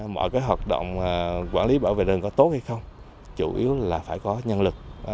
mọi cái hoạt động quản lý bảo vệ rừng có tốt hay không chủ yếu là phải có nhân lực